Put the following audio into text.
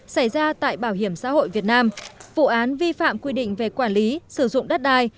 xảy ra tại bảo hiểm xã hội việt nam vụ án vi phạm quy định về quản lý sử dụng đất đai